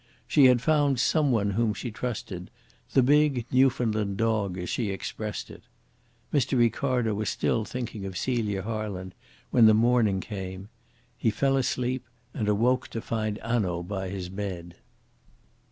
She had found some one whom she trusted the big Newfoundland dog, as she expressed it. Mr. Ricardo was still thinking of Celia Harland when the morning came. He fell asleep, and awoke to find Hanaud by his bed.